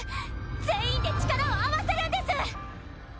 全員で力を合わせるんです！